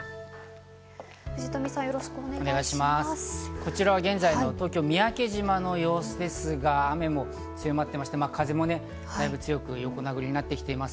こちらは現在の東京・三宅島の様子ですが、雨も強まってまして、風もだいぶ強く、横殴りになってきてます。